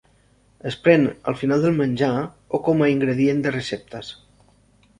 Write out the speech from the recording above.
Es pren al final del menjar o com a ingredient de receptes.